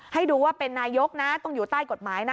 ให้ดูว่าเป็นนายกนะต้องอยู่ใต้กฎหมายนะ